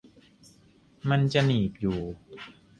มันจะหนีบอยู่